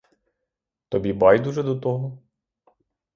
Тобі байдуже до того?